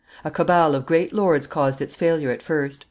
A cabal of great lords caused its failure at first.